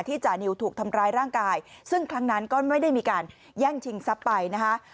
จานิวถูกทำร้ายร่างกายซึ่งครั้งนั้นก็ไม่ได้มีการแย่งชิงทรัพย์ไปนะคะ